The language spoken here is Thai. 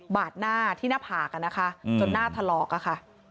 บาดหน้าที่หน้าผากจนหน้าถลอก